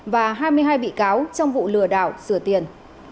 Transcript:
cho ba mươi hai bị cáo trong vụ lừa đảo sửa tiền